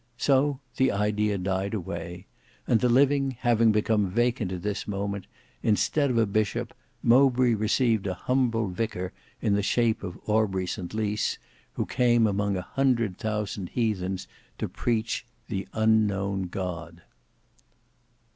So the idea died away; and the living having become vacant at this moment, instead of a bishop, Mowbray received a humble vicar in the shape of Aubrey St Lys, who came among a hundred thousand heathens to preach "the Unknown God."